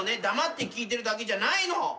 黙って聞いてるだけじゃないの。